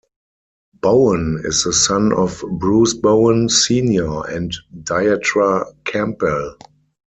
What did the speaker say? Bowen is the son of Bruce Bowen Senior and Dietra Campbell.